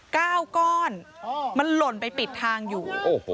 ๙ก้อนมันหล่นไปปิดทางอยู่